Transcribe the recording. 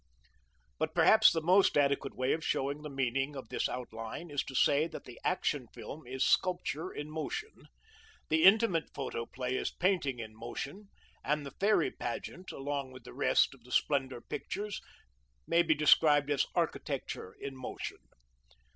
But perhaps the most adequate way of showing the meaning of this outline is to say that the Action Film is sculpture in motion, the Intimate Photoplay is painting in motion, and the Fairy Pageant, along with the rest of the Splendor Pictures, may be described as architecture in motion.